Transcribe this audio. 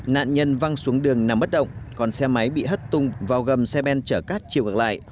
nạn nhân văng xuống đường nằm bất động còn xe máy bị hất tung vào gầm xe ben chở cát chiều ngược lại